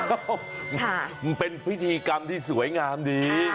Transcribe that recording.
มันเป็นพิธีกรรมที่สวยงามดี